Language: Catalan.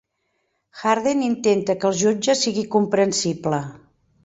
Harden intenta que el jutge sigui comprensible.